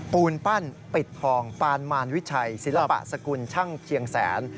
ปูนปั้นปิดทองปานมารวิชัยศิลปะสกุลช่างเชียงแสน